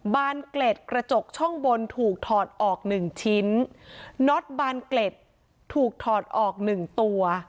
บานเกล็ดกระจกช่องบนถูกถอดออกหนึ่งชิ้นน็อตบานเกล็ดถูกถอดออกหนึ่งตัว